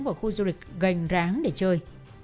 vào khu du lịch gành ráng để chơi